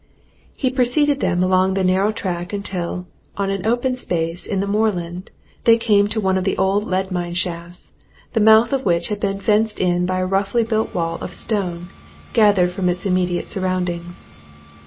He preceded them along the narrow track until, on an open space in the moorland, they came to one of the old lead mine shafts, the mouth of which had been fenced in by a roughly built wall of stone gathered from its immediate surroundings.